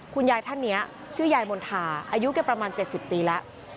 คุณยายท่านนี้ชื่อยายมณฑาอายุแกประมาณ๗๐ปีแล้ว